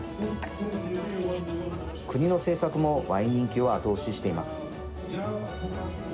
国の政策もワイン人気を後押ししています。